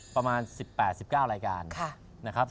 ประมาณ๑๘๑๙รายการ